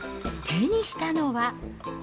手にしたのは。